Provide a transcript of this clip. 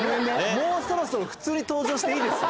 もうそろそろ普通に登場していいですよ。